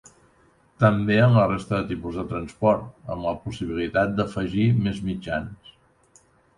També en la resta de tipus de transport, amb la possibilitat d'afegir més mitjans.